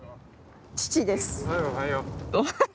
父です。